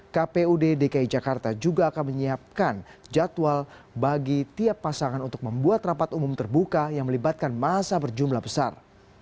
kpud dki jakarta juga akan menyiapkan jadwal bagi tiap pasangan untuk membuat rapat umum terbuka yang melibatkan masa berjumlah besar